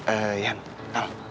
eh yan nal